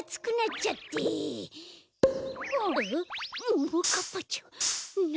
ももかっぱちゃんなんで。